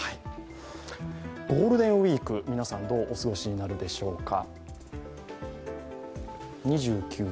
ゴールデンウイーク、皆さん、どうお過ごしになるでしょうか。